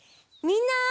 みんな。